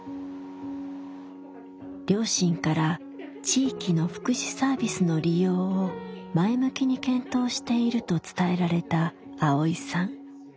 両親から地域の福祉サービスの利用を前向きに検討していると伝えられたアオイさん。